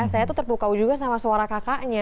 saya tuh terpukau juga sama suara kakaknya